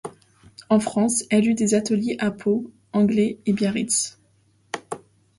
En France, elle eut des ateliers à Pau, Anglet, Biarritz.